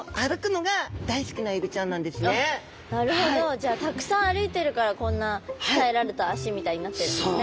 じゃあたくさん歩いてるからこんな鍛えられた脚みたいになってるんですね！